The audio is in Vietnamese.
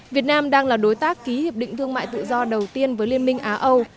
việt nam đang là đối tác ký hiệp định thương mại tự do đầu tiên với liên minh á âu